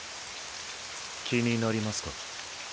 気になりますか？